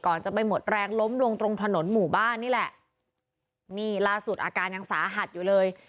จะไปหมดแรงล้มลงตรงถนนหมู่บ้านนี่แหละนี่ล่าสุดอาการยังสาหัสอยู่เลย